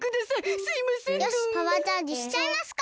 よしパワーチャージしちゃいますか！